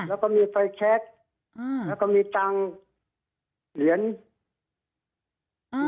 แล้วก็มีไฟแชคอ่าแล้วก็มีตังค์เหรียญอ่า